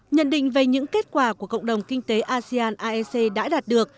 nhận định về những kết quả của cộng đồng kinh tế asean aec đã đạt được